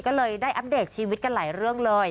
ก็เลยได้อัปเดตชีวิตกันหลายเรื่องเลย